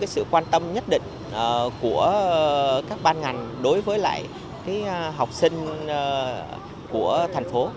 có những sự quan tâm nhất định của các ban ngành đối với lại học sinh của thành phố